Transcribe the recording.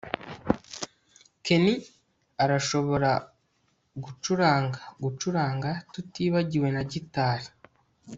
ken arashobora gucuranga gucuranga, tutibagiwe na gitari